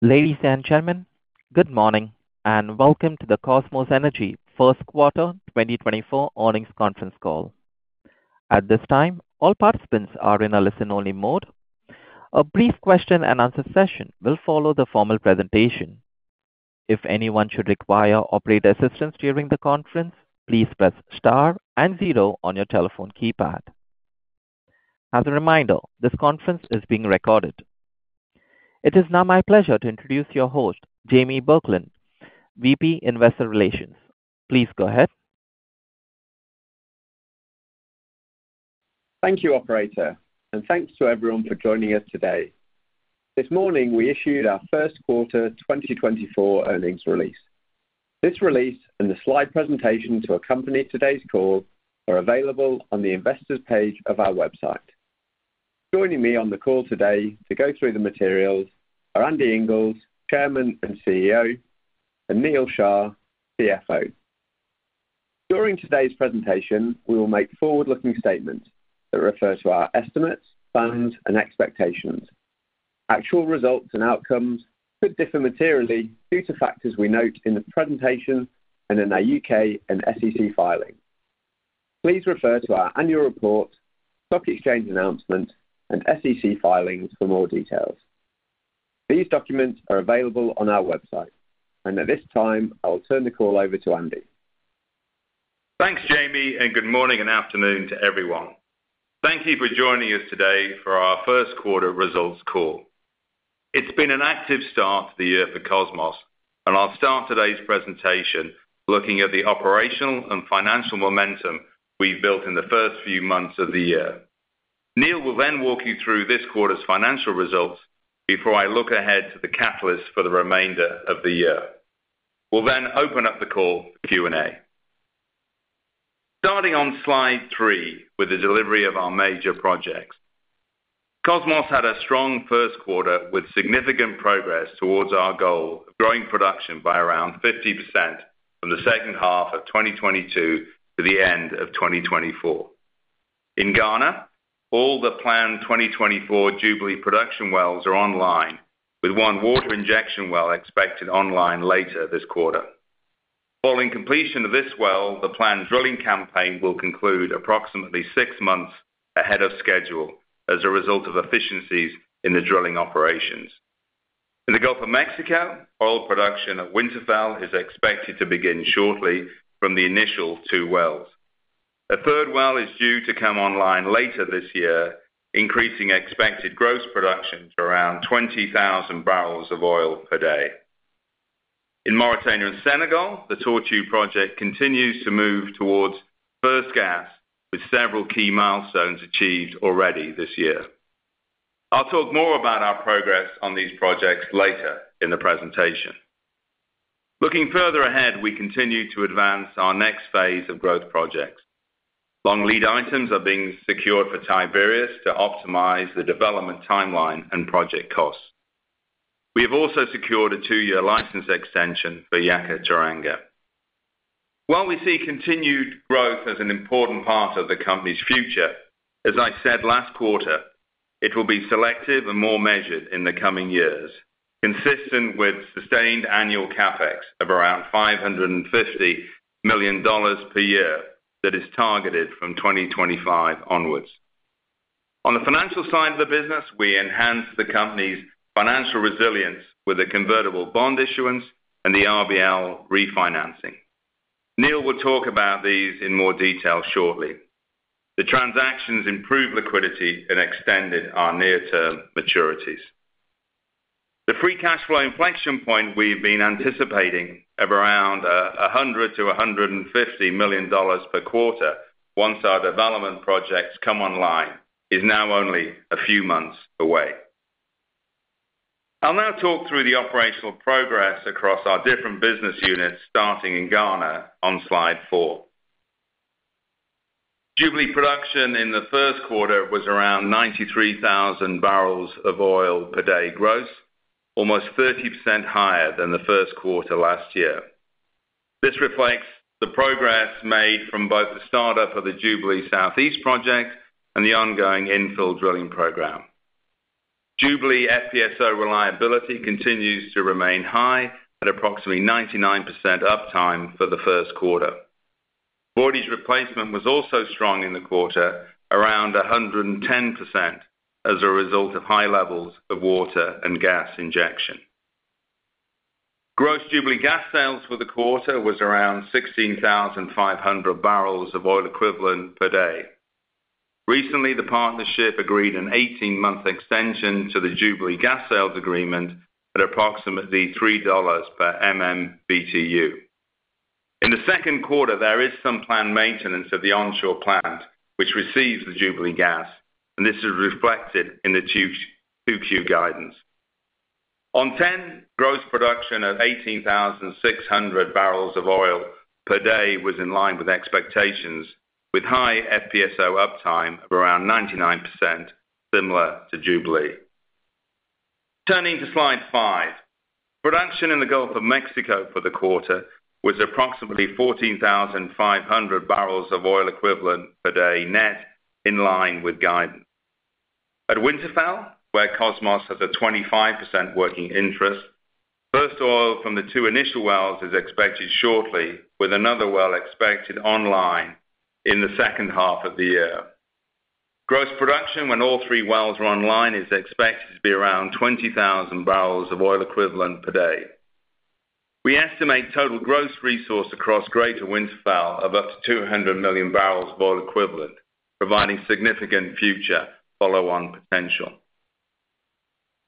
Ladies and gentlemen, good morning, and welcome to the Kosmos Energy first quarter 2024 earnings conference call. At this time, all participants are in a listen-only mode. A brief question and answer session will follow the formal presentation. If anyone should require operator assistance during the conference, please press star and zero on your telephone keypad. As a reminder, this conference is being recorded. It is now my pleasure to introduce your host, Jamie Buckland, VP, Investor Relations. Please go ahead. Thank you, operator, and thanks to everyone for joining us today. This morning, we issued our first quarter 2024 earnings release. This release and the slide presentation to accompany today's call are available on the Investors page of our website. Joining me on the call today to go through the materials are Andy Inglis, Chairman and CEO, and Neal Shah, CFO. During today's presentation, we will make forward-looking statements that refer to our estimates, plans, and expectations. Actual results and outcomes could differ materially due to factors we note in the presentation and in our U.K. and SEC filings. Please refer to our annual report, stock exchange announcement, and SEC filings for more details. These documents are available on our website, and at this time, I will turn the call over to Andy. Thanks, Jamie, and good morning and afternoon to everyone. Thank you for joining us today for our first quarter results call. It's been an active start to the year for Kosmos, and I'll start today's presentation looking at the operational and financial momentum we built in the first few months of the year. Neal will then walk you through this quarter's financial results before I look ahead to the catalyst for the remainder of the year. We'll then open up the call for Q&A. Starting on slide three with the delivery of our major projects. Kosmos had a strong first quarter with significant progress towards our goal of growing production by around 50% from the second half of 2022 to the end of 2024. In Ghana, all the planned 2024 Jubilee production wells are online, with one water injection well expected online later this quarter. Following completion of this well, the planned drilling campaign will conclude approximately six months ahead of schedule as a result of efficiencies in the drilling operations. In the Gulf of Mexico, oil production at Winterfell is expected to begin shortly from the initial two wells. A third well is due to come online later this year, increasing expected gross production to around 20,000 barrels of oil per day. In Mauritania and Senegal, the Tortue project continues to move towards first gas, with several key milestones achieved already this year. I'll talk more about our progress on these projects later in the presentation. Looking further ahead, we continue to advance our next phase of growth projects. Long lead items are being secured for Tiberius to optimize the development timeline and project costs. We have also secured a two-year license extension for Yakaar-Teranga. While we see continued growth as an important part of the company's future, as I said last quarter, it will be selective and more measured in the coming years, consistent with sustained annual CapEx of around $550 million per year that is targeted from 2025 onwards. On the financial side of the business, we enhanced the company's financial resilience with a convertible bond issuance and the RBL refinancing. Neal will talk about these in more detail shortly. The transactions improved liquidity and extended our near-term maturities. The free cash flow inflection point we've been anticipating of around $100-$150 million per quarter, once our development projects come online, is now only a few months away. I'll now talk through the operational progress across our different business units, starting in Ghana on slide four. Jubilee production in the first quarter was around 93,000 barrels of oil per day gross, almost 30% higher than the first quarter last year. This reflects the progress made from both the startup of the Jubilee South East project and the ongoing infill drilling program. Jubilee FPSO reliability continues to remain high at approximately 99% uptime for the first quarter. Voidage replacement was also strong in the quarter, around 110%, as a result of high levels of water and gas injection. Gross Jubilee gas sales for the quarter was around 16,500 barrels of oil equivalent per day. Recently, the partnership agreed an 18-month extension to the Jubilee gas sales agreement at approximately $3 per MMBtu. In the second quarter, there is some planned maintenance of the onshore plant, which receives the Jubilee gas, and this is reflected in the 2Q guidance. On TEN, gross production of 18,600 barrels of oil per day was in line with expectations, with high FPSO uptime of around 99%, similar to Jubilee. Turning to slide 5. Production in the Gulf of Mexico for the quarter was approximately 14,500 barrels of oil equivalent per day net in line with guidance. At Winterfell, where Kosmos has a 25% working interest, first oil from the two initial wells is expected shortly, with another well expected online in the second half of the year. Gross production, when all three wells are online, is expected to be around 20,000 barrels of oil equivalent per day. We estimate total gross resource across Greater Winterfell of up to 200 million barrels of oil equivalent, providing significant future follow-on potential.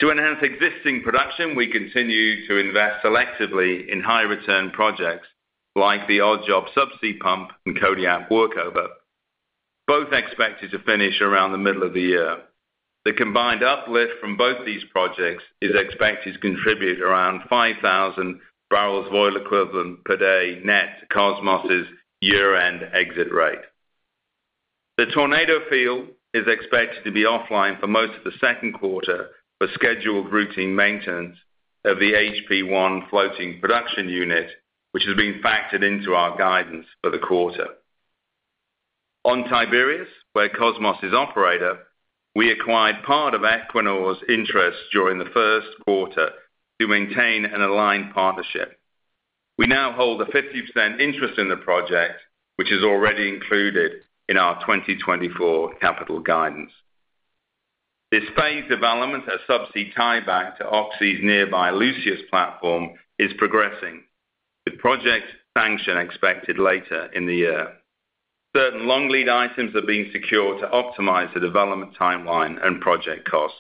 To enhance existing production, we continue to invest selectively in high-return projects like the Odd Job subsea pump and Kodiak workover, both expected to finish around the middle of the year. The combined uplift from both these projects is expected to contribute around 5,000 barrels of oil equivalent per day net to Kosmos' year-end exit rate. The Tornado field is expected to be offline for most of the second quarter for scheduled routine maintenance of the HP-1 floating production unit, which has been factored into our guidance for the quarter. On Tiberius, where Kosmos is operator, we acquired part of Equinor's interest during the first quarter to maintain an aligned partnership. We now hold a 50% interest in the project, which is already included in our 2024 capital guidance. This phase development, a subsea tieback to Oxy's nearby Lucius platform, is progressing, with project sanction expected later in the year. Certain long lead items are being secured to optimize the development timeline and project costs.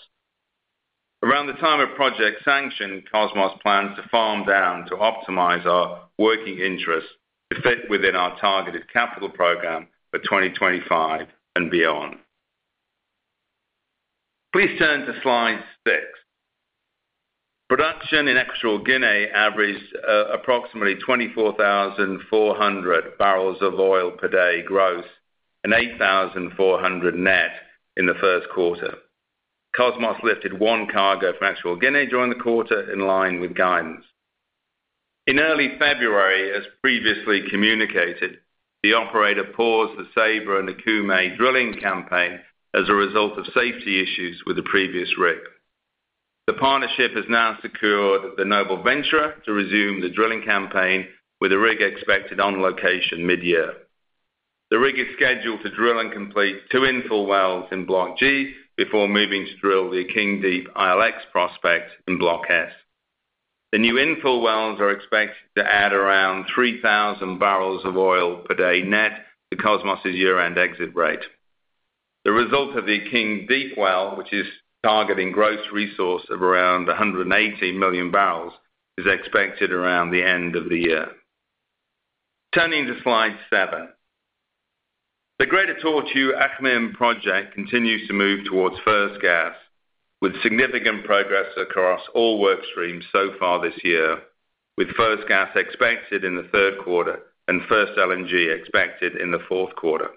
Around the time of project sanction, Kosmos plans to farm down to optimize our working interest to fit within our targeted capital program for 2025 and beyond. Please turn to slide six. Production in Equatorial Guinea averaged approximately 24,400 barrels of oil per day gross and 8,400 net in the first quarter. Kosmos lifted one cargo from Equatorial Guinea during the quarter, in line with guidance. In early February, as previously communicated, the operator paused the Ceiba and Okume drilling campaign as a result of safety issues with the previous rig. The partnership has now secured the Noble Venturer to resume the drilling campaign, with the rig expected on location mid-year. The rig is scheduled to drill and complete two infill wells in Block G before moving to drill the Akeng Deep ILX prospect in Block S. The new infill wells are expected to add around 3,000 barrels of oil per day net to Kosmos' year-end exit rate. The result of the Akeng Deep well, which is targeting gross resource of around 180 million barrels, is expected around the end of the year. Turning to slide seven. The Greater Tortue Ahmeyim project continues to move towards first gas, with significant progress across all work streams so far this year, with first gas expected in the third quarter and first LNG expected in the fourth quarter.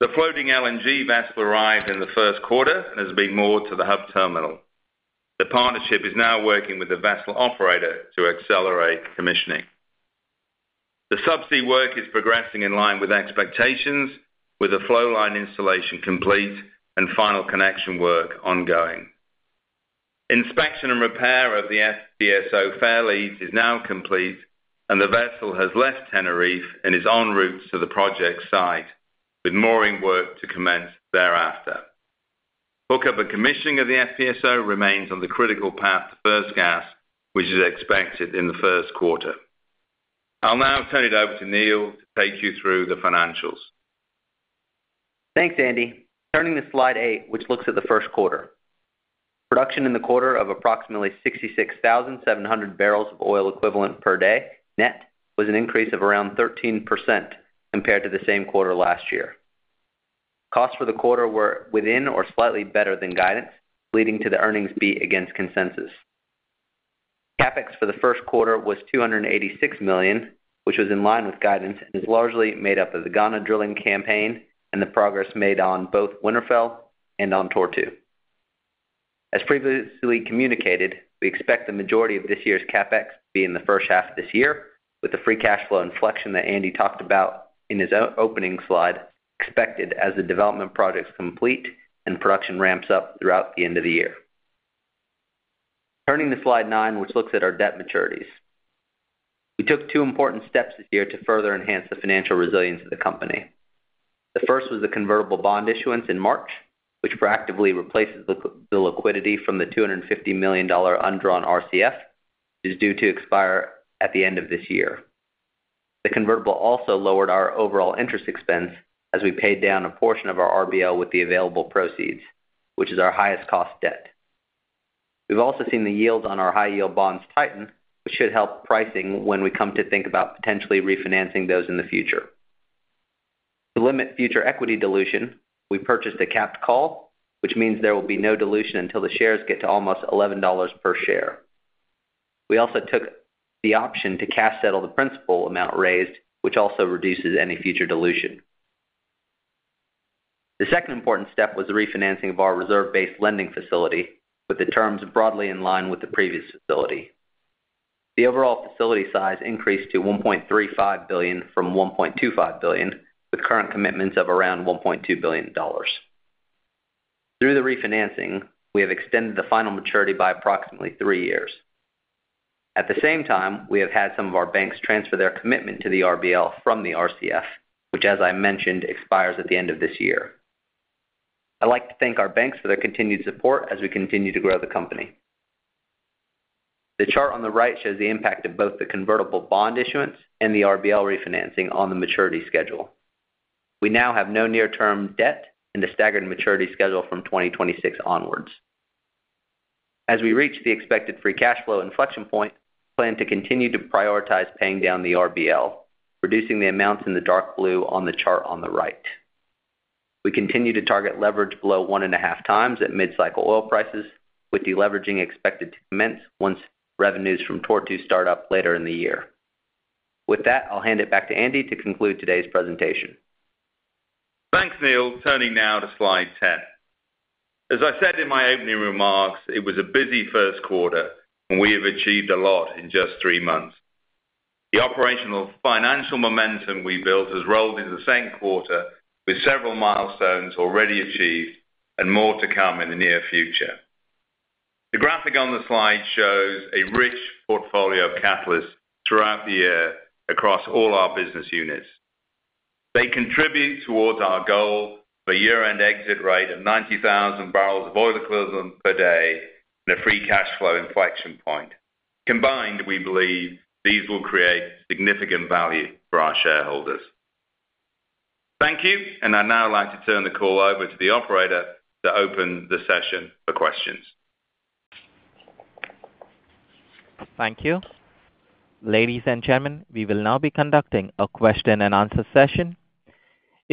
The floating LNG vessel arrived in the first quarter and has been moored to the hub terminal. The partnership is now working with the vessel operator to accelerate commissioning. The subsea work is progressing in line with expectations, with the flow line installation complete and final connection work ongoing. Inspection and repair of the FPSO fairlead is now complete, and the vessel has left Tenerife and is en route to the project site, with mooring work to commence thereafter. Hookup and commissioning of the FPSO remains on the critical path to first gas, which is expected in the first quarter. I'll now turn it over to Neal to take you through the financials. Thanks, Andy. Turning to slide eight, which looks at the first quarter. Production in the quarter of approximately 66,700 barrels of oil equivalent per day net was an increase of around 13% compared to the same quarter last year. Costs for the quarter were within or slightly better than guidance, leading to the earnings beat against consensus. CapEx for the first quarter was $286 million, which was in line with guidance and is largely made up of the Ghana drilling campaign and the progress made on both Winterfell and on Tortue. As previously communicated, we expect the majority of this year's CapEx to be in the first half of this year, with the free cash flow inflection that Andy talked about in his opening slide, expected as the development projects complete and production ramps up throughout the end of the year. Turning to slide nine, which looks at our debt maturities. We took two important steps this year to further enhance the financial resilience of the company. The first was the convertible bond issuance in March, which proactively replaces the liquidity from the $250 million undrawn RCF, which is due to expire at the end of this year. The convertible also lowered our overall interest expense as we paid down a portion of our RBL with the available proceeds, which is our highest cost debt. We've also seen the yields on our high-yield bonds tighten, which should help pricing when we come to think about potentially refinancing those in the future. To limit future equity dilution, we purchased a capped call, which means there will be no dilution until the shares get to almost $11 per share. We also took the option to cash settle the principal amount raised, which also reduces any future dilution. The second important step was the refinancing of our reserve-based lending facility, with the terms broadly in line with the previous facility. The overall facility size increased to $1.35 billion from $1.25 billion, with current commitments of around $1.2 billion. Through the refinancing, we have extended the final maturity by approximately three years. At the same time, we have had some of our banks transfer their commitment to the RBL from the RCF, which, as I mentioned, expires at the end of this year. I'd like to thank our banks for their continued support as we continue to grow the company. The chart on the right shows the impact of both the convertible bond issuance and the RBL refinancing on the maturity schedule. We now have no near-term debt and a staggered maturity schedule from 2026 onwards. As we reach the expected free cash flow inflection point, we plan to continue to prioritize paying down the RBL, reducing the amounts in the dark blue on the chart on the right. We continue to target leverage below 1.5 times at mid-cycle oil prices, with deleveraging expected to commence once revenues from Tortue start up later in the year. With that, I'll hand it back to Andy to conclude today's presentation. Thanks, Neal. Turning now to slide 10. As I said in my opening remarks, it was a busy first quarter, and we have achieved a lot in just three months. The operational financial momentum we built has rolled in the same quarter, with several milestones already achieved and more to come in the near future. The graphic on the slide shows a rich portfolio of catalysts throughout the year across all our business units. They contribute towards our goal of a year-end exit rate of 90,000 barrels of oil equivalent per day and a free cash flow inflection point. Combined, we believe these will create significant value for our shareholders. Thank you, and I'd now like to turn the call over to the operator to open the session for questions. Thank you. Ladies and gentlemen, we will now be conducting a question-and-answer session.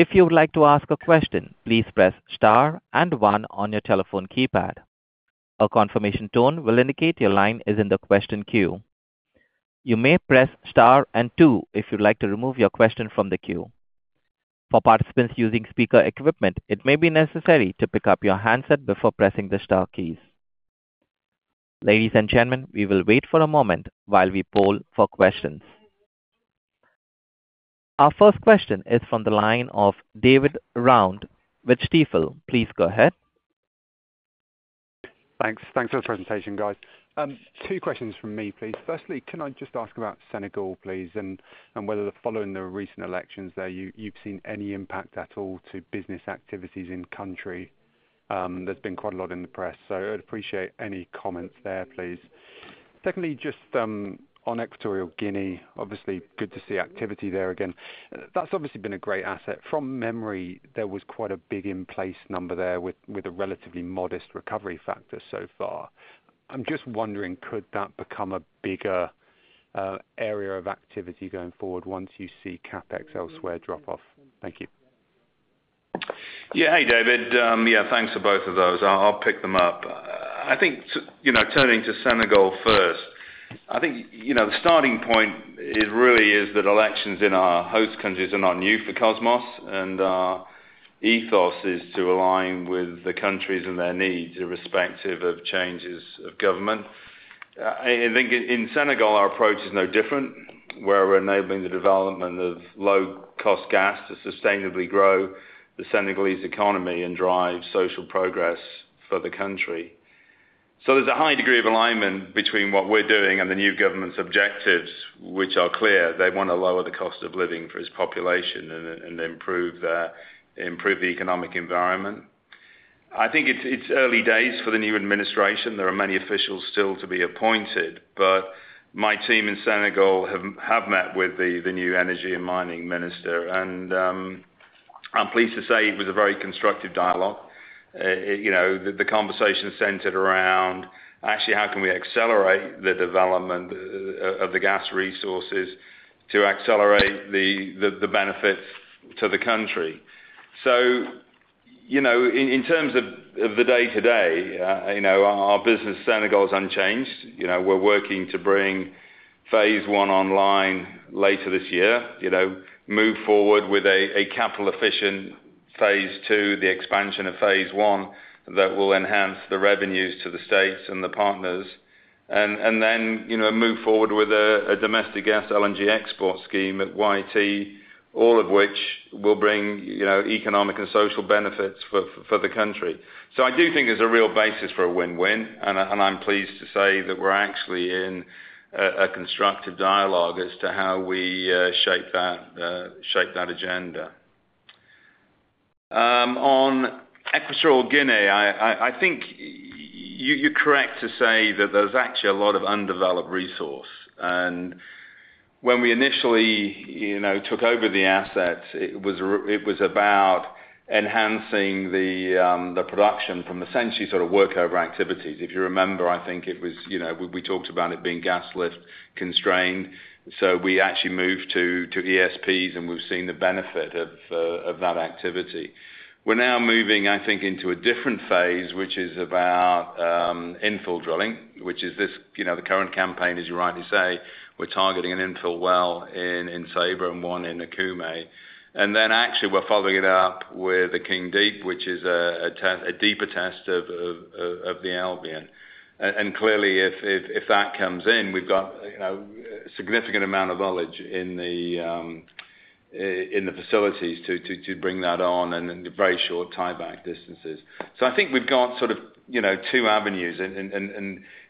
If you would like to ask a question, please press star and one on your telephone keypad. A confirmation tone will indicate your line is in the question queue. You may press star and two if you'd like to remove your question from the queue. For participants using speaker equipment, it may be necessary to pick up your handset before pressing the star keys. Ladies and gentlemen, we will wait for a moment while we poll for questions. Our first question is from the line of David Round with Stifel. Please go ahead. Thanks. Thanks for the presentation, guys. Two questions from me, please. Firstly, can I just ask about Senegal, please, and whether following the recent elections there, you've seen any impact at all to business activities in country? There's been quite a lot in the press, so I'd appreciate any comments there, please. Secondly, just on Equatorial Guinea, obviously, good to see activity there again. That's obviously been a great asset. From memory, there was quite a big in-place number there with a relatively modest recovery factor so far. I'm just wondering, could that become a bigger area of activity going forward once you see CapEx elsewhere drop off? Thank you. Yeah. Hey, David. Yeah, thanks for both of those. I'll pick them up. I think, you know, turning to Senegal first, I think, you know, the starting point really is that elections in our host countries are not new for Kosmos, and our ethos is to align with the countries and their needs, irrespective of changes of government. I think in Senegal, our approach is no different, where we're enabling the development of low-cost gas to sustainably grow the Senegalese economy and drive social progress for the country. So there's a high degree of alignment between what we're doing and the new government's objectives, which are clear. They want to lower the cost of living for its population and improve the economic environment. I think it's early days for the new administration. There are many officials still to be appointed, but my team in Senegal have met with the new energy and mining minister, and I'm pleased to say it was a very constructive dialogue. You know, the conversation centered around actually, how can we accelerate the development of the gas resources to accelerate the benefits to the country? So, you know, in terms of the day-to-day, you know, our business in Senegal is unchanged. You know, we're working to bring phase one online later this year. You know, move forward with a capital-efficient phase two, the expansion of phase one, that will enhance the revenues to the states and the partners. And then, you know, move forward with a domestic gas LNG export scheme at YT, all of which will bring, you know, economic and social benefits for the country. So I do think there's a real basis for a win-win, and I'm pleased to say that we're actually in a constructive dialogue as to how we shape that agenda. On Equatorial Guinea, I think you're correct to say that there's actually a lot of undeveloped resource. And when we initially, you know, took over the asset, it was about enhancing the production from essentially sort of work over activities. If you remember, I think it was, you know, we, we talked about it being gas-lift constrained, so we actually moved to, to ESPs, and we've seen the benefit of, of that activity. We're now moving, I think, into a different phase, which is about, infill drilling, which is this, you know, the current campaign, as you rightly say. We're targeting an infill well in Ceiba and one in Okume. And then actually, we're following it up with the Akeng Deep, which is a deeper test of the Albian. And clearly, if that comes in, we've got, you know, significant amount of knowledge in the facilities to bring that on, and in the very short tie-back distances. So I think we've got sort of, you know, two avenues.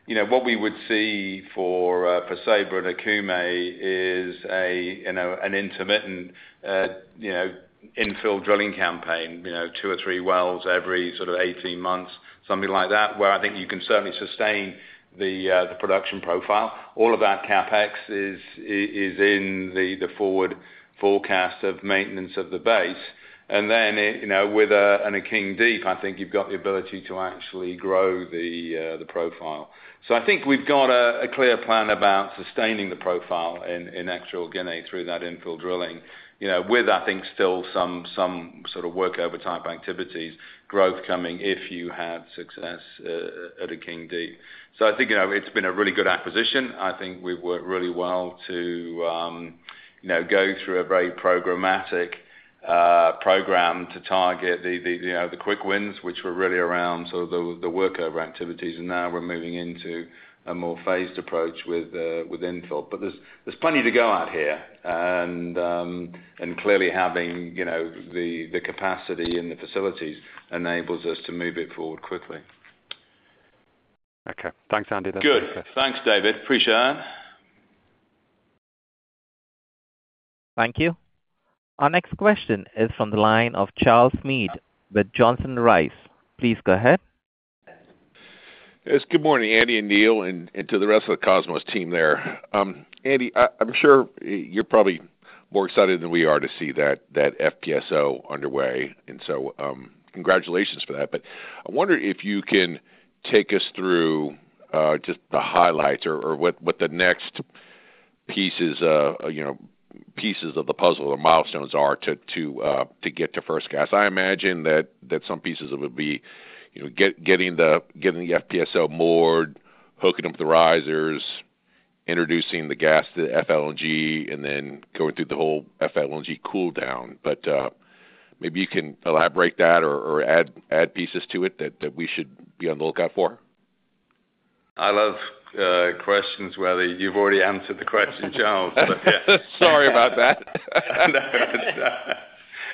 You know, what we would see for Ceiba and Okume is a, you know, an intermittent, you know, infill drilling campaign, you know, two or three wells every sort of 18 months, something like that, where I think you can certainly sustain the production profile. All of that CapEx is in the forward forecast of maintenance of the base. And then, you know, with Akeng Deep, I think you've got the ability to actually grow the profile. So I think we've got a clear plan about sustaining the profile in Equatorial Guinea through that infill drilling. You know, with, I think, still some sort of workover type activities, growth coming if you have success at Akeng Deep. I think, you know, it's been a really good acquisition. I think we've worked really well to, you know, go through a very programmatic program to target the, you know, the quick wins, which were really around sort of the workover activities, and now we're moving into a more phased approach with with infill. But there's plenty to go out here. And clearly having, you know, the capacity and the facilities enables us to move it forward quickly. Okay. Thanks, Andy. Good. Thanks, David. Appreciate it. Thank you. Our next question is from the line of Charles Meade with Johnson Rice. Please go ahead. Yes, good morning, Andy and Neal, and to the rest of the Kosmos team there. Andy, I'm sure you're probably more excited than we are to see that FPSO underway, and so, congratulations for that. But I wonder if you can take us through just the highlights or what the next pieces, you know, pieces of the puzzle or milestones are to get to first gas. I imagine that some pieces of it would be, you know, getting the FPSO moored, hooking up the risers, introducing the gas to the FLNG, and then going through the whole FLNG cool down. But maybe you can elaborate that or add pieces to it that we should be on the lookout for. I love questions where you've already answered the question, Charles, but yeah. Sorry about that. No, it's...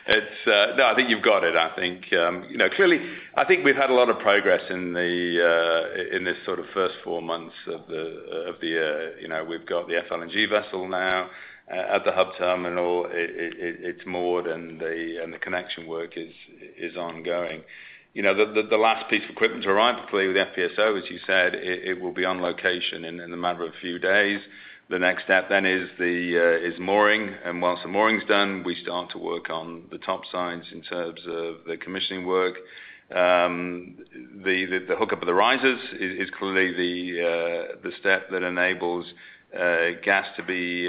No, I think you've got it. I think, you know, clearly, I think we've had a lot of progress in the in this sort of first four months of the, of the, you know, we've got the FLNG vessel now at the hub terminal. It's moored, and the connection work is ongoing. You know, the last piece of equipment to arrive, hopefully, with FPSO, as you said, it will be on location in a matter of a few days. The next step then is the mooring, and once the mooring is done, we start to work on the topsides in terms of the commissioning work. The hookup of the risers is clearly the step that enables gas to be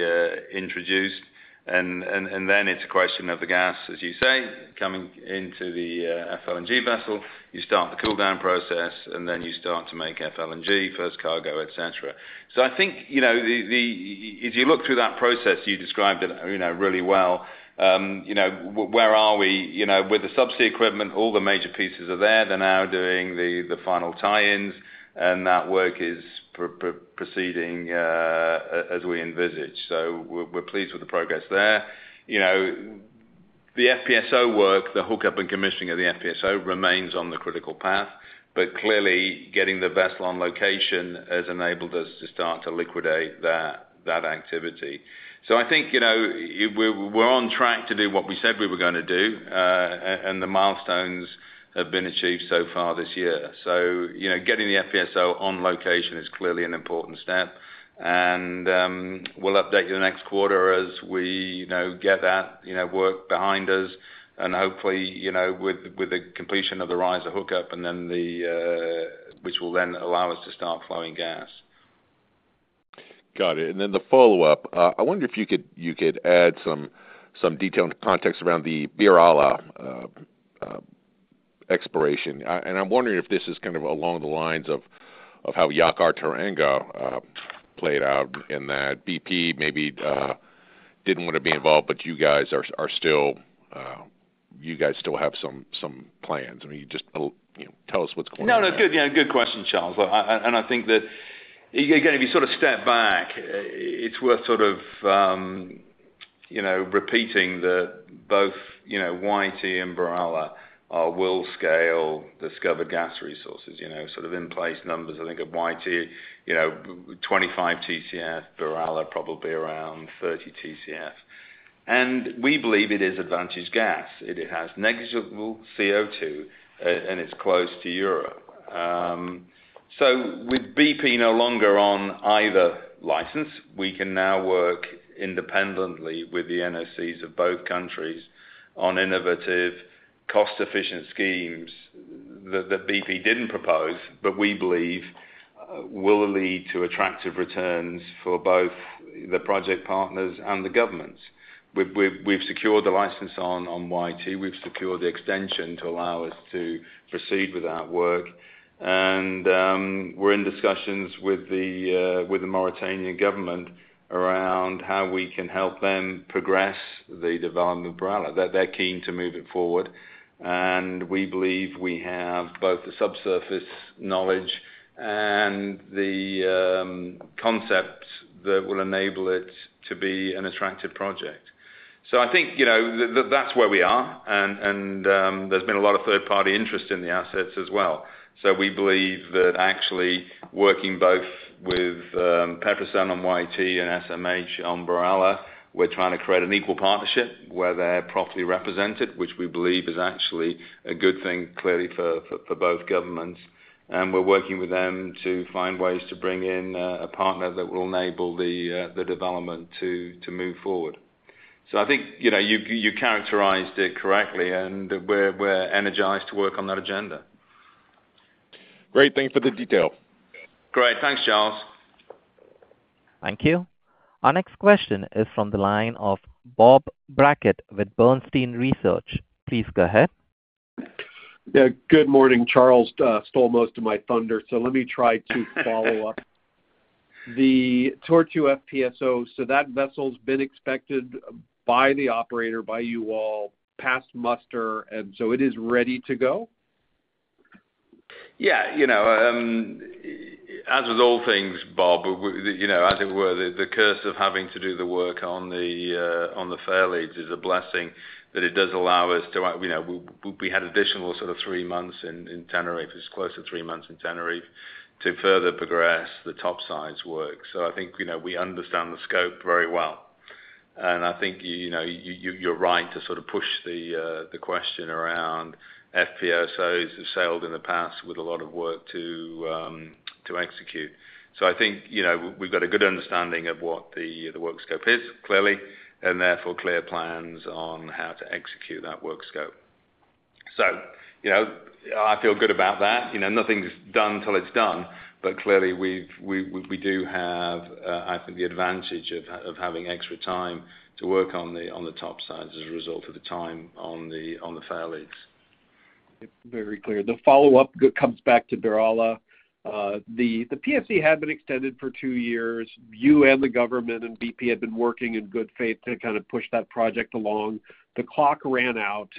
introduced. Then it's a question of the gas, as you say, coming into the FLNG vessel. You start the cool down process, and then you start to make LNG, first cargo, et cetera. So I think, you know, if you look through that process, you described it, you know, really well. You know, where are we? You know, with the subsea equipment, all the major pieces are there. They're now doing the final tie-ins, and that work is proceeding as we envisage. So we're pleased with the progress there. You know, the FPSO work, the hookup and commissioning of the FPSO remains on the critical path, but clearly, getting the vessel on location has enabled us to start to liquidate that activity. So I think, you know, we're, we're on track to do what we said we were gonna do, and the milestones have been achieved so far this year. So, you know, getting the FPSO on location is clearly an important step. And, we'll update you the next quarter as we, you know, get that, you know, work behind us. And hopefully, you know, with, with the completion of the riser hookup and then the, which will then allow us to start flowing gas. Got it. And then the follow-up. I wonder if you could, you could add some, some detailed context around the BirAllah, exploration. And I'm wondering if this is kind of along the lines of, of how Yakaar-Teranga, played out in that BP, maybe, didn't want to be involved, but you guys are, are still, you guys still have some, some plans. I mean, just, you know, tell us what's going on. No, no, good, yeah, good question, Charles. Well, and I think that, again, if you sort of step back, it's worth sort of, you know, repeating that both, you know, YT and BirAllah are world-scale discovered gas resources, you know, sort of in place numbers, I think, of YT, you know, 25 TCF, BirAllah probably around 30 TCF. And we believe it is advantaged gas. It has negligible CO2, and it's close to Europe. So with BP no longer on either license, we can now work independently with the NOCs of both countries on innovative, cost-efficient schemes that BP didn't propose, but we believe will lead to attractive returns for both the project partners and the governments. We've secured the license on YT. We've secured the extension to allow us to proceed with that work. We're in discussions with the Mauritanian government around how we can help them progress the development of BirAllah. They're keen to move it forward, and we believe we have both the subsurface knowledge and the concept that will enable it to be an attractive project. So I think, you know, that's where we are. And there's been a lot of third-party interest in the assets as well. So we believe that actually working both with PETROSEN on YT and SMH on BirAllah, we're trying to create an equal partnership where they're properly represented, which we believe is actually a good thing, clearly, for both governments. And we're working with them to find ways to bring in a partner that will enable the development to move forward. I think, you know, you characterized it correctly, and we're energized to work on that agenda. Great, thanks for the detail. Great. Thanks, Charles. Thank you. Our next question is from the line of Bob Brackett with Bernstein Research. Please go ahead. Yeah. Good morning, Charles, stole most of my thunder, so let me try to follow up. The Tortue FPSO, so that vessel's been expected by the operator, by you all, passed muster, and so it is ready to go? Yeah. You know, as with all things, Bob, you know, as it were, the curse of having to do the work on the fairleads is a blessing that it does allow us to. You know, we had additional sort of three months in Tenerife. It was close to three months in Tenerife to further progress the topsides work. So I think, you know, we understand the scope very well. And I think, you know, you're right to sort of push the question around. FPSOs have sailed in the past with a lot of work to execute. So I think, you know, we've got a good understanding of what the work scope is, clearly, and therefore clear plans on how to execute that work scope. So, you know, I feel good about that. You know, nothing's done till it's done, but clearly, we do have, I think, the advantage of having extra time to work on the topsides as a result of the time on the fairleads. Very clear. The follow-up comes back to BirAllah. The PSC had been extended for two years. You and the government and BP had been working in good faith to kind of push that project along. The clock ran out.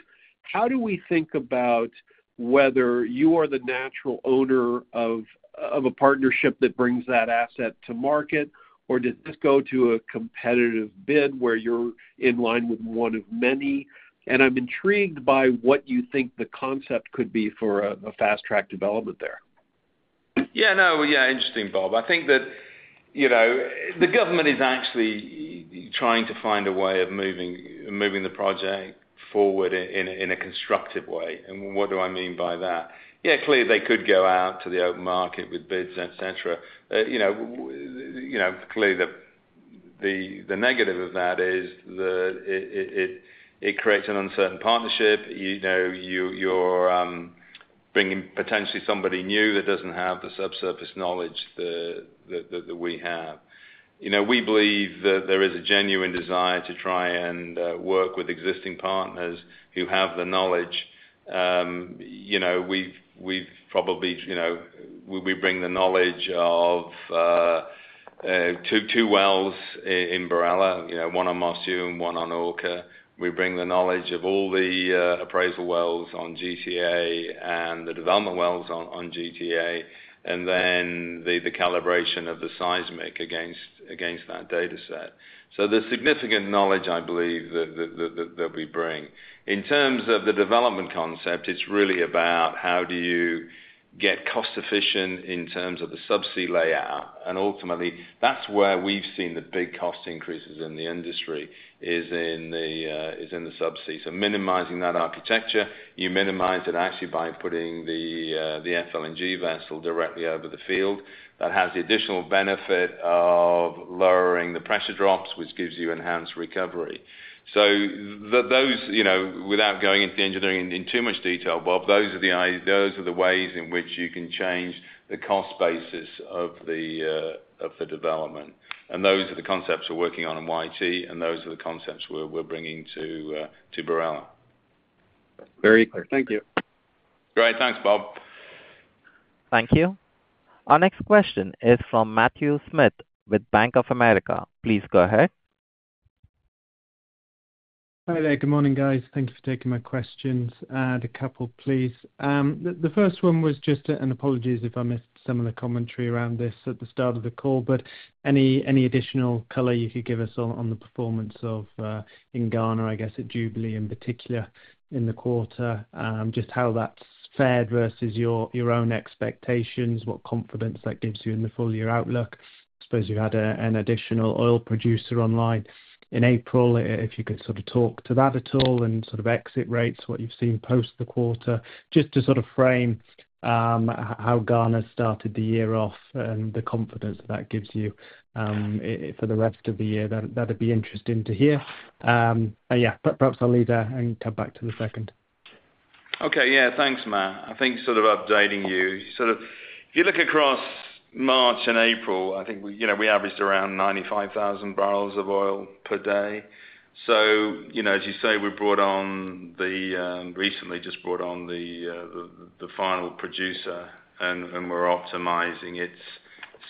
How do we think about whether you are the natural owner of a partnership that brings that asset to market, or does this go to a competitive bid where you're in line with one of many? And I'm intrigued by what you think the concept could be for a fast-track development there. Yeah, no. Yeah, interesting, Bob. I think that, you know, the government is actually trying to find a way of moving the project forward in a constructive way. And what do I mean by that? Yeah, clearly, they could go out to the open market with bids, et cetera. You know, clearly, the negative of that is that it creates an uncertain partnership. You know, you're bringing potentially somebody new that doesn't have the subsurface knowledge that we have. You know, we believe that there is a genuine desire to try and work with existing partners who have the knowledge. You know, we've probably, you know, we bring the knowledge of two wells in BirAllah, you know, one on Marsouin, one on Orca. We bring the knowledge of all the appraisal wells on GTA and the development wells on GTA, and then the calibration of the seismic against that data set. So there's significant knowledge, I believe, that we bring. In terms of the development concept, it's really about how do you get cost efficient in terms of the subsea layout? And ultimately, that's where we've seen the big cost increases in the industry, is in the subsea. So minimizing that architecture, you minimize it actually by putting the FLNG vessel directly over the field. That has the additional benefit of lowering the pressure drops, which gives you enhanced recovery. So those, you know, without going into the engineering in too much detail, Bob, those are the ways in which you can change the cost basis of the development. And those are the concepts we're working on in YT, and those are the concepts we're bringing to BirAllah. Very clear. Thank you. Great. Thanks, Bob. Thank you. Our next question is from Matthew Smith with Bank of America. Please go ahead. Hi there. Good morning, guys. Thank you for taking my questions, and a couple, please. The first one was just, and apologies if I missed some of the commentary around this at the start of the call, but any additional color you could give us on the performance of in Ghana, I guess, at Jubilee in particular in the quarter? Just how that's fared versus your own expectations, what confidence that gives you in the full year outlook. I suppose you had an additional oil producer online in April. If you could sort of talk to that at all and sort of exit rates, what you've seen post the quarter, just to sort of frame how Ghana started the year off and the confidence that gives you for the rest of the year. That, that'd be interesting to hear. But yeah, perhaps I'll leave that and come back to the second.... Okay, yeah, thanks, Matt. I think sort of updating you, sort of, if you look across March and April, I think we, you know, we averaged around 95,000 barrels of oil per day. So, you know, as you say, we recently just brought on the final producer, and we're optimizing its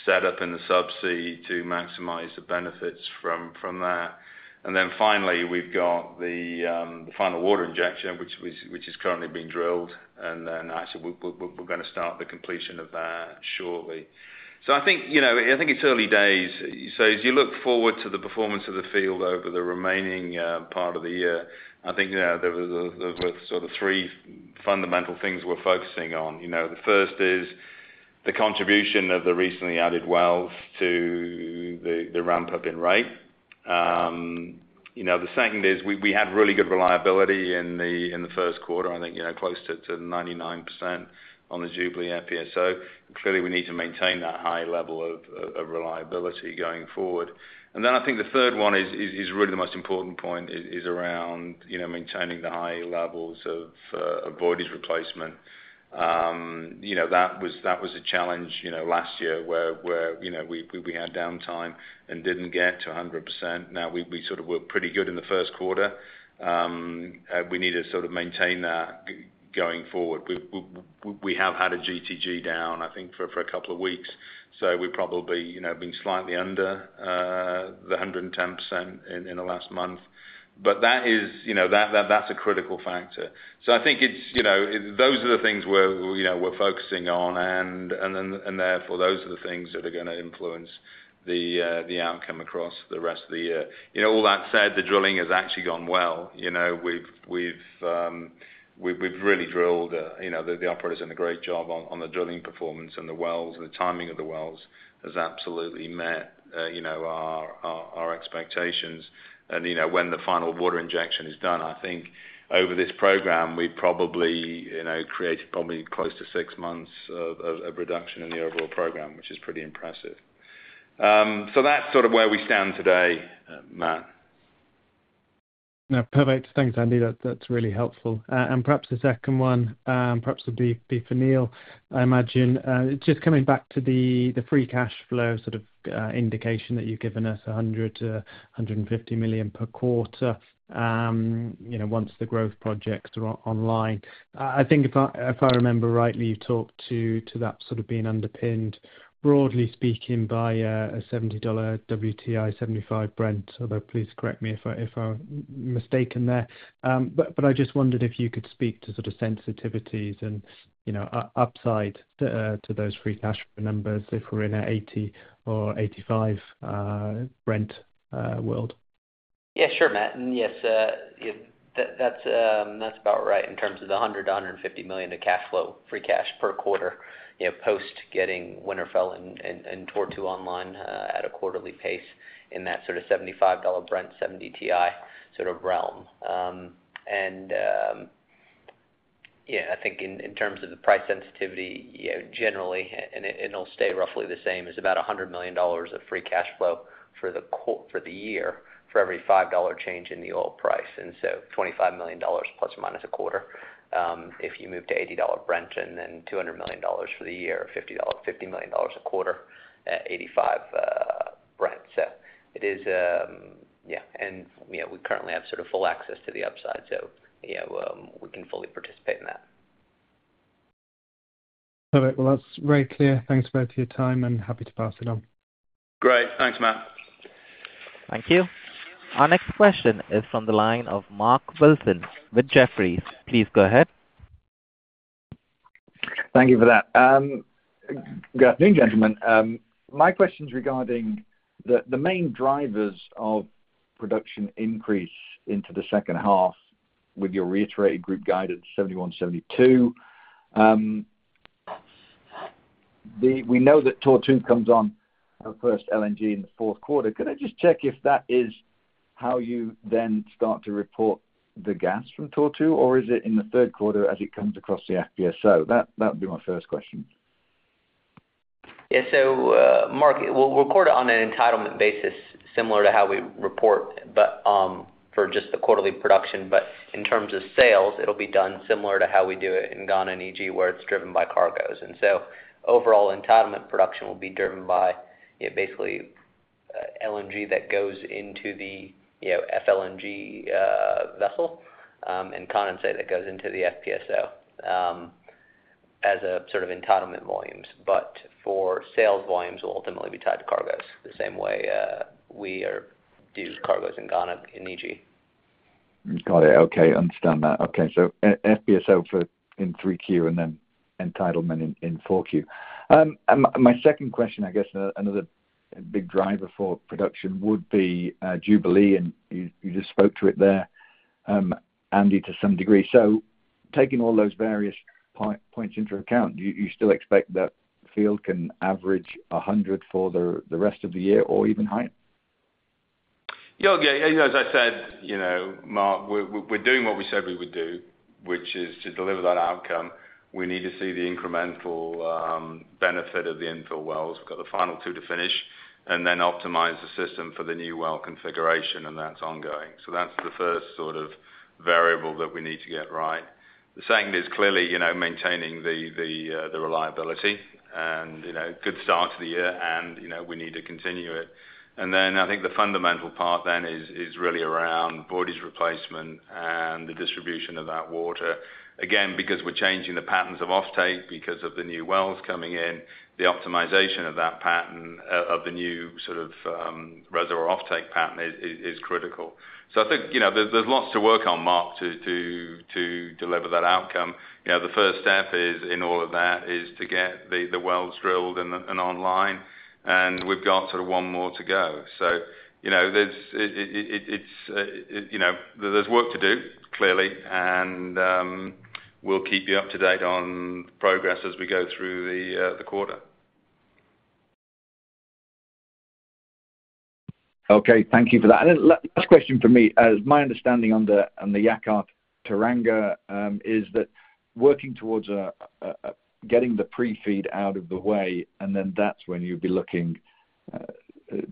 setup in the subsea to maximize the benefits from that. And then finally, we've got the final water injection, which is currently being drilled. And then actually, we're gonna start the completion of that shortly. So I think, you know, I think it's early days. So as you look forward to the performance of the field over the remaining part of the year, I think, yeah, there was sort of three fundamental things we're focusing on. You know, the first is the contribution of the recently added wells to the ramp-up in rate. You know, the second is we had really good reliability in the first quarter, I think, you know, close to 99% on the Jubilee FPSO. Clearly, we need to maintain that high level of reliability going forward. And then I think the third one is really the most important point, is around, you know, maintaining the high levels of voidage replacement. You know, that was a challenge, you know, last year, where, you know, we had downtime and didn't get to 100%. Now, we sort of were pretty good in the first quarter. We need to sort of maintain that going forward. We have had a GTG down, I think, for a couple of weeks, so we've probably, you know, been slightly under the 110% in the last month. But that is, you know, that's a critical factor. So I think it's, you know, those are the things we're, you know, we're focusing on, and then therefore those are the things that are gonna influence the outcome across the rest of the year. You know, all that said, the drilling has actually gone well. You know, we've really drilled, you know, the operator's done a great job on the drilling performance and the wells, and the timing of the wells has absolutely met, you know, our expectations. You know, when the final water injection is done, I think over this program, we've probably, you know, created probably close to six months of reduction in the overall program, which is pretty impressive. So that's sort of where we stand today, Matt. Now, perfect. Thanks, Andy. That's really helpful. And perhaps the second one, perhaps would be for Neal, I imagine. Just coming back to the free cash flow sort of indication that you've given us, $100 million-$150 million per quarter, you know, once the growth projects are online. I think if I remember rightly, you talked to that sort of being underpinned, broadly speaking, by a $70 WTI, $75 Brent, although please correct me if I'm mistaken there. But I just wondered if you could speak to sort of sensitivities and, you know, upside to those free cash flow numbers if we're in a 80 or 85 Brent world. Yeah, sure, Matt. And yes, yeah, that's about right in terms of the $100 million-$150 million of cash flow, free cash per quarter, you know, post getting Winterfell and Tortue online, at a quarterly pace in that sort of $75 Brent, $70 WTI sort of realm. And yeah, I think in terms of the price sensitivity, you know, generally, it'll stay roughly the same, about $100 million of free cash flow for the year, for every $5 change in the oil price, and so $25 million plus or minus a quarter. If you move to $80 Brent, and then $200 million for the year, $50 million a quarter at $85 Brent. So it is, and, you know, we currently have sort of full access to the upside, so, you know, we can fully participate in that. Perfect. Well, that's very clear. Thanks both for your time, and happy to pass it on. Great. Thanks, Matt. Thank you. Our next question is from the line of Mark Wilson with Jefferies. Please go ahead. Thank you for that. Good afternoon, gentlemen. My question's regarding the main drivers of production increase into the second half with your reiterated group guidance, 71, 72. We know that Tortue comes on for first LNG in the fourth quarter. Could I just check if that is how you then start to report the gas from Tortue, or is it in the third quarter as it comes across the FPSO? That would be my first question. Yeah. So, Mark, we'll record it on an entitlement basis, similar to how we report, but, for just the quarterly production. But in terms of sales, it'll be done similar to how we do it in Ghana and EG, where it's driven by cargoes. And so overall entitlement production will be driven by, yeah, basically, LNG that goes into the, you know, FLNG, vessel, and condensate that goes into the FPSO, as a sort of entitlement volumes. But for sales volumes will ultimately be tied to cargoes the same way, we are, do cargoes in Ghana, in EG. Got it. Okay, understand that. Okay. So FPSO for 3Q and then entitlement in 4Q. My second question, I guess another big driver for production would be Jubilee, and you just spoke to it there, Andy, to some degree. So taking all those various points into account, do you still expect that field can average 100 for the rest of the year or even higher?... Yeah, yeah, as I said, you know, Mark, we're doing what we said we would do, which is to deliver that outcome. We need to see the incremental benefit of the infill wells. We've got the final two to finish and then optimize the system for the new well configuration, and that's ongoing. So that's the first sort of variable that we need to get right. The second is clearly, you know, maintaining the reliability and, you know, good start to the year, and, you know, we need to continue it. Then I think the fundamental part then is really around bodies replacement and the distribution of that water. Again, because we're changing the patterns of offtake because of the new wells coming in, the optimization of that pattern of the new sort of reservoir offtake pattern is critical. So I think, you know, there's lots to work on, Mark, to deliver that outcome. You know, the first step is, in all of that, to get the wells drilled and online, and we've got sort of one more to go. So, you know, there's work to do, clearly, and we'll keep you up to date on progress as we go through the quarter. Okay, thank you for that. And then last question for me. My understanding on the, on the Yakaar-Teranga, is that working towards getting the pre-FEED out of the way, and then that's when you'd be looking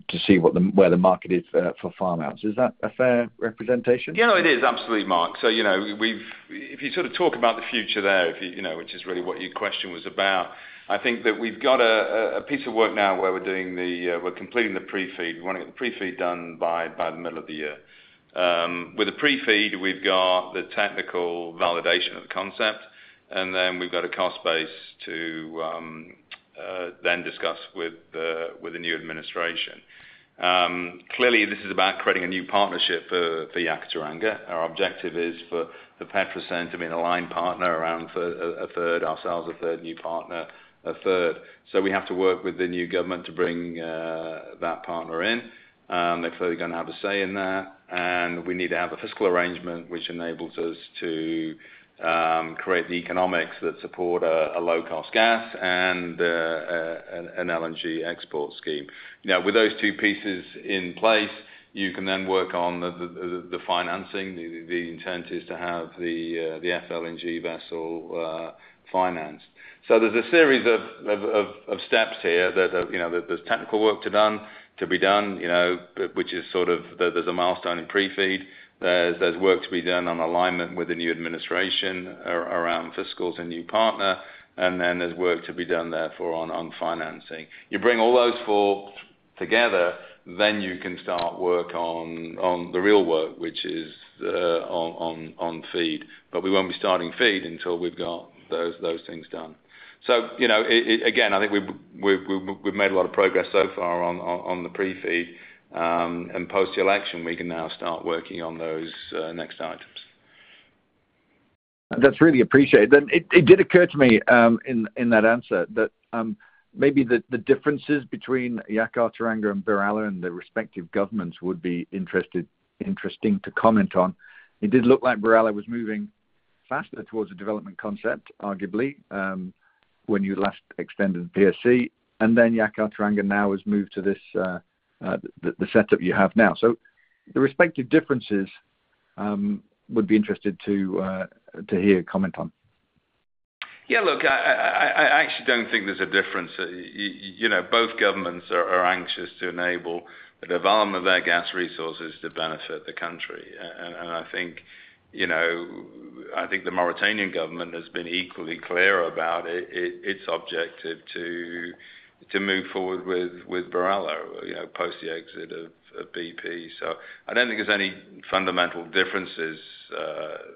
to see where the market is for farm outs. Is that a fair representation? Yeah, it is. Absolutely, Mark. So, you know, we've, if you sort of talk about the future there, if you, you know, which is really what your question was about, I think that we've got a piece of work now where we're completing the pre-FEED. We want to get the pre-FEED done by the middle of the year. With the pre-FEED, we've got the technical validation of the concept, and then we've got a cost base to then discuss with the new administration. Clearly, this is about creating a new partnership for Yakaar-Teranga. Our objective is for the PETROSEN to be an aligned partner around a third, ourselves, a third, new partner, a third. So we have to work with the new government to bring that partner in. They're certainly going to have a say in that, and we need to have a fiscal arrangement which enables us to create the economics that support a low-cost gas and an LNG export scheme. Now, with those two pieces in place, you can then work on the financing. The intent is to have the FLNG vessel financed. So there's a series of steps here. There's technical work to be done, you know, which is sort of there's a milestone in pre-FEED. There's work to be done on alignment with the new administration around fiscals and new partner, and then there's work to be done on financing. You bring all those four together, then you can start work on the real work, which is on FEED. But we won't be starting FEED until we've got those things done. So, you know, again, I think we've made a lot of progress so far on the pre-FEED, and post-election, we can now start working on those next items. That's really appreciated. Then it did occur to me in that answer that maybe the differences between Yakaar-Teranga and BirAllah and the respective governments would be interested, interesting to comment on. It did look like BirAllah was moving faster towards a development concept, arguably, when you last extended the PSC, and then Yakaar-Teranga now has moved to this the setup you have now. So the respective differences would be interested to to hear a comment on. Yeah, look, I actually don't think there's a difference. You know, both governments are anxious to enable the development of their gas resources to benefit the country. And I think, you know, I think the Mauritanian government has been equally clear about its objective to move forward with BirAllah, you know, post the exit of BP. So I don't think there's any fundamental differences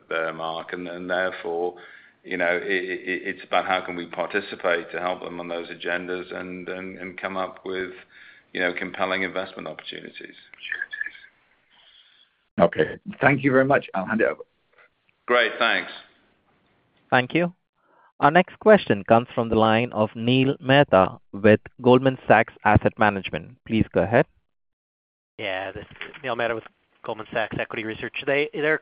there, Mark, and therefore, you know, it's about how can we participate to help them on those agendas and come up with, you know, compelling investment opportunities. Okay. Thank you very much. I'll hand over. Great, thanks. Thank you. Our next question comes from the line of Neil Mehta with Goldman Sachs Asset Management. Please go ahead. Yeah, this is Neil Mehta with Goldman Sachs Equity Research today. There are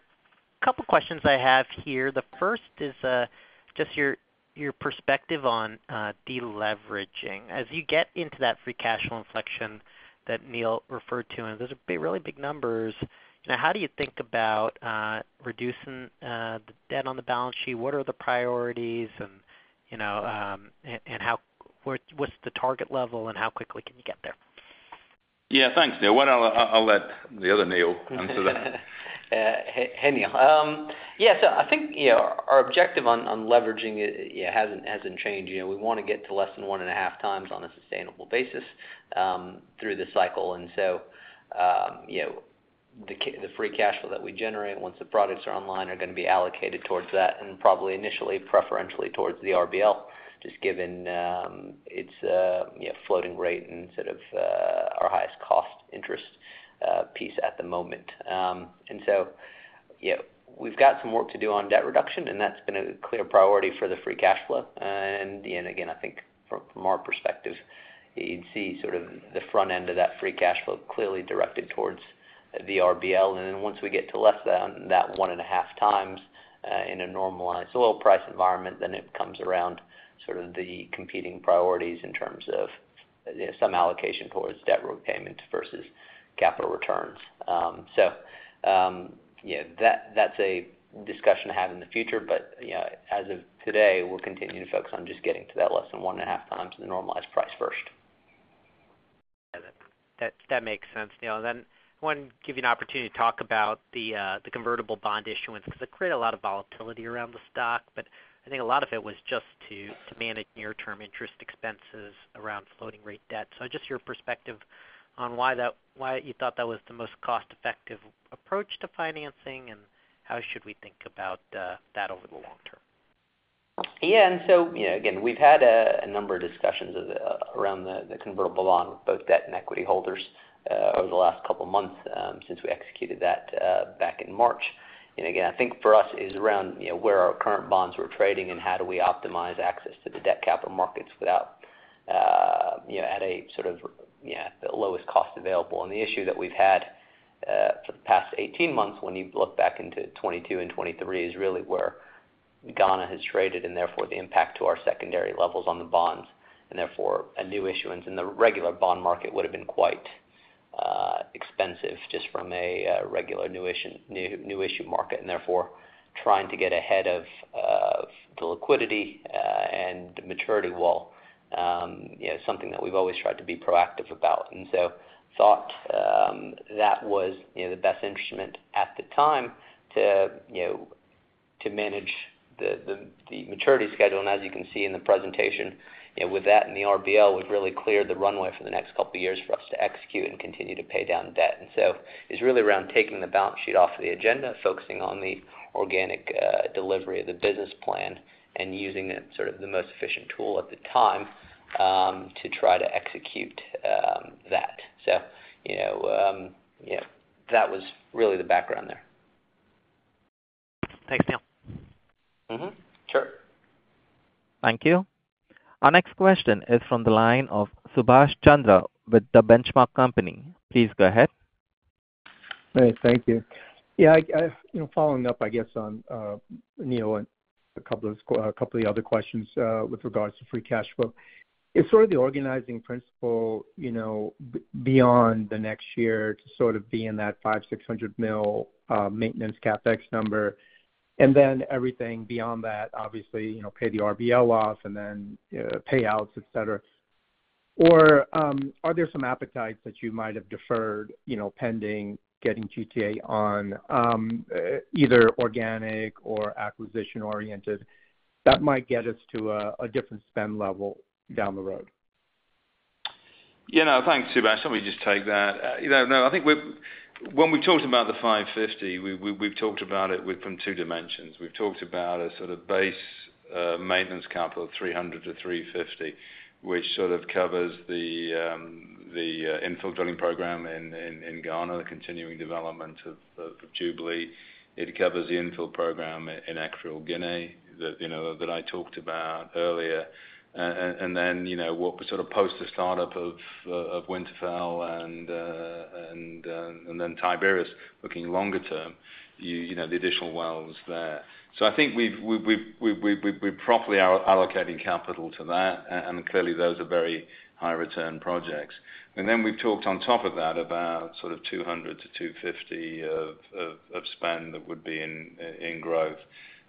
a couple of questions I have here. The first is just your perspective on deleveraging. As you get into that free cash flow inflection that Neal referred to, and those are big, really big numbers, now, how do you think about reducing the debt on the balance sheet? What are the priorities? And, you know, and how what's the target level, and how quickly can you get there? Yeah, thanks, Neil. Well, I'll let the other Neal answer that. Hey, Neil. Yeah, so I think, you know, our objective on leveraging it yeah, hasn't changed. You know, we want to get to less than 1.5 times on a sustainable basis, through the cycle. And so, you know, the free cash flow that we generate once the products are online are going to be allocated towards that, and probably initially, preferentially towards the RBL, just given its yeah, floating rate and sort of our highest cost interest piece at the moment. And so, yeah, we've got some work to do on debt reduction, and that's been a clear priority for the free cash flow. And, you know, again, I think from our perspective, you'd see sort of the front end of that free cash flow clearly directed towards the RBL. Then once we get to less than that 1.5 times, in a normalized, lower price environment, then it comes around sort of the competing priorities in terms of some allocation towards debt repayments versus capital returns. So, yeah, that's a discussion to have in the future. But, you know, as of today, we're continuing to focus on just getting to that less than 1.5 times the normalized price first. Yeah, that makes sense, Neal. Then I want to give you an opportunity to talk about the convertible bond issuance, because it created a lot of volatility around the stock. But I think a lot of it was just to manage near-term interest expenses around floating rate debt. So just your perspective on why you thought that was the most cost-effective approach to financing, and how should we think about that over the long term? Yeah, and so, you know, again, we've had a number of discussions around the convertible bond with both debt and equity holders over the last couple of months since we executed that back in March. Again, I think for us, it is around, you know, where our current bonds were trading and how do we optimize access to the debt capital markets without, you know, at a sort of, yeah, the lowest cost available. The issue that we've had for the past 18 months, when you look back into 2022 and 2023, is really where Ghana has traded, and therefore the impact to our secondary levels on the bonds. And therefore, a new issuance in the regular bond market would have been quite expensive just from a regular new issue new issue market, and therefore, trying to get ahead of the liquidity and the maturity wall, you know, something that we've always tried to be proactive about. And so thought that was, you know, the best instrument at the time to, you know, to manage the maturity schedule. And as you can see in the presentation, you know, with that and the RBL, we've really cleared the runway for the next couple of years for us to execute and continue to pay down debt. And so it's really around taking the balance sheet off the agenda, focusing on the organic delivery of the business plan, and using it sort of the most efficient tool at the time, to try to execute that. So, you know, yeah, that was really the background there. Thanks, Neal. Mm-hmm. Sure. Thank you. Our next question is from the line of Subash Chandra with The Benchmark Company. Please go ahead. Great. Thank you. Yeah, I, you know, following up, I guess, on Neal, and a couple of the other questions, with regards to free cash flow. Is sort of the organizing principle, you know, beyond the next year to sort of be in that $500-$600 million maintenance CapEx number, and then everything beyond that, obviously, you know, pay the RBL off and then payouts, et cetera. Or, are there some appetites that you might have deferred, you know, pending getting GTA on either organic or acquisition-oriented, that might get us to a different spend level down the road? You know, thanks, Subash. Let me just take that. You know, no, I think we—when we talked about the $550 million, we've talked about it from two dimensions. We've talked about a sort of base maintenance capital of $300 million-$350 million, which sort of covers the infill drilling program in Ghana, the continuing development of Jubilee. It covers the infill program in Equatorial Guinea, that you know, that I talked about earlier. And then, you know, what sort of post the startup of Winterfell and Tiberius, looking longer term, you know, the additional wells there. So I think we've properly allocating capital to that, and clearly, those are very high return projects. And then we've talked on top of that about sort of $200-$250 of spend that would be in growth.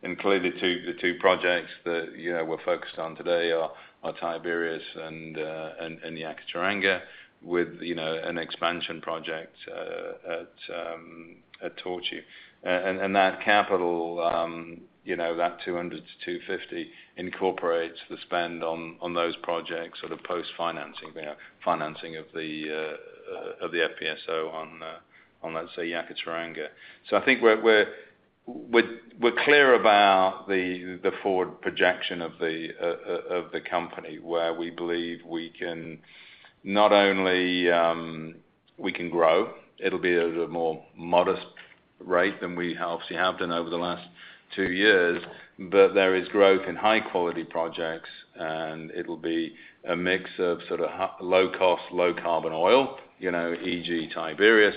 And clearly, the two projects that, you know, we're focused on today are Tiberius and Yakaar-Teranga, with, you know, an expansion project at Tortue. And that capital, you know, that $200-$250 incorporates the spend on those projects, sort of post-financing, financing of the FPSO on the, let's say, Yakaar-Teranga. So I think we're clear about the forward projection of the company, where we believe we can not only, we can grow, it'll be at a more modest rate than we obviously have done over the last two years. But there is growth in high-quality projects, and it'll be a mix of sort of low cost, low carbon oil, you know, e.g., Tiberius,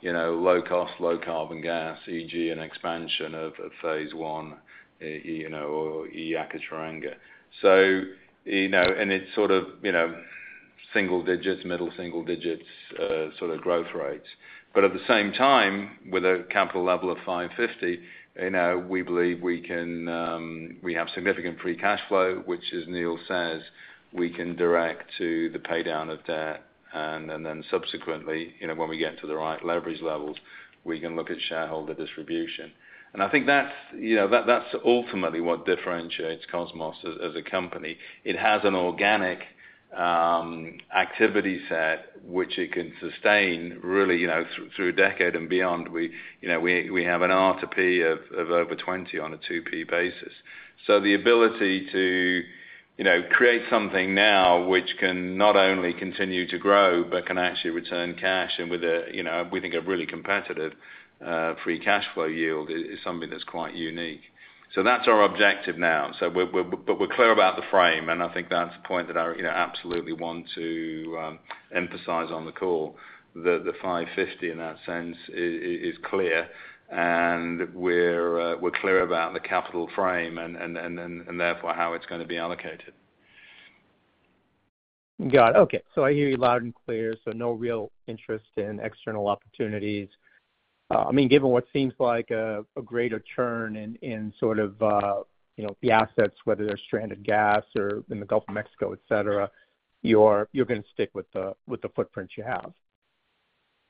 you know, low cost, low carbon gas, e.g., an expansion of Phase One, you know, or Yakaar-Teranga. So, you know, and it's sort of, you know, single digits, middle single digits, sort of growth rates. But at the same time, with a capital level of $550 million, you know, we believe we can, we have significant free cash flow, which as Neal says, we can direct to the pay down of debt, and, and then subsequently, you know, when we get to the right leverage levels, we can look at shareholder distribution. And I think that's, you know, that, that's ultimately what differentiates Kosmos as, as a company. It has an organic, activity set, which it can sustain really, you know, through, through a decade and beyond. We, you know, we, we have an R/P of, of over 20 on a 2P basis. So the ability to, you know, create something now which can not only continue to grow, but can actually return cash and with a, you know, we think a really competitive, free cash flow yield is, is something that's quite unique. So that's our objective now. So we're, we're but we're clear about the frame, and I think that's the point that I, you know, absolutely want to, emphasize on the call, that the $550 in that sense is, is clear, and we're, we're clear about the capital frame and, and, and, and therefore, how it's going to be allocated.... Got it. Okay, so I hear you loud and clear. So no real interest in external opportunities. I mean, given what seems like a greater churn in sort of, you know, the assets, whether they're stranded gas or in the Gulf of Mexico, et cetera, you're going to stick with the footprints you have?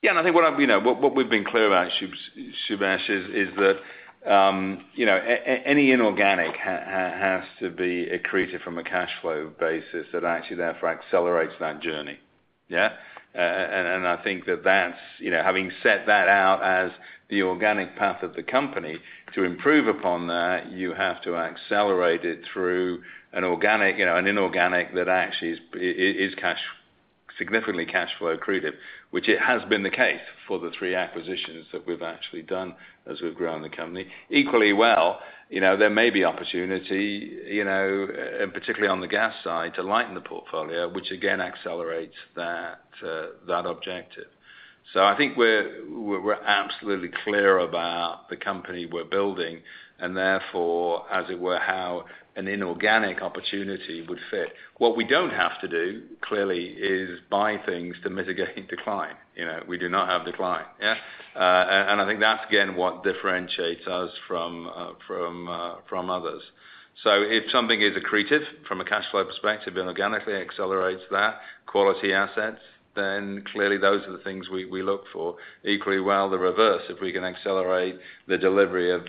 Yeah, and I think what I've you know, what we've been clear about, Subash, is that you know, any inorganic has to be accretive from a cash flow basis that actually therefore accelerates that journey. Yeah? And I think that that's you know, having set that out as the organic path of the company, to improve upon that, you have to accelerate it through an inorganic that actually is significantly cash flow accretive, which it has been the case for the three acquisitions that we've actually done as we've grown the company. Equally well, you know, there may be opportunity you know, and particularly on the gas side, to lighten the portfolio, which again, accelerates that objective. So I think we're absolutely clear about the company we're building, and therefore, as it were, how an inorganic opportunity would fit. What we don't have to do, clearly, is buy things to mitigate decline. You know, we do not have decline. Yeah. And I think that's again what differentiates us from others. So if something is accretive from a cash flow perspective and organically accelerates that quality assets, then clearly those are the things we look for. Equally well, the reverse, if we can accelerate the delivery of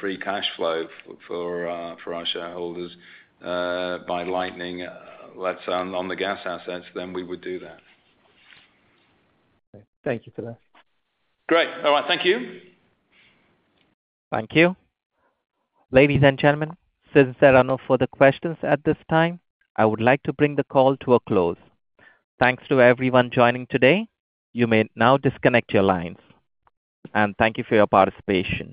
free cash flow for our shareholders by lightening less on the gas assets, then we would do that. Thank you for that. Great! All right. Thank you. Thank you. Ladies and gentlemen, since there are no further questions at this time, I would like to bring the call to a close. Thanks to everyone joining today. You may now disconnect your lines. Thank you for your participation.